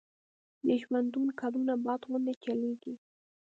د ژوندون کلونه باد غوندي چلیږي